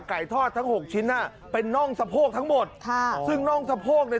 ทอดทั้งหกชิ้นอ่ะเป็นน่องสะโพกทั้งหมดค่ะซึ่งน่องสะโพกเนี่ย